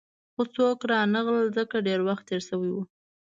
خو څوک رانغلل، ځکه ډېر وخت تېر شوی وو.